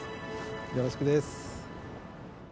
よろしくです。